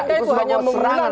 itu hanya mengulang